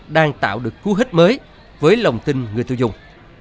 đang tạo được cú hít mới với lòng tin người tiêu dùng